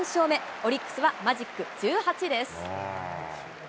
オリックスはマジック１８です。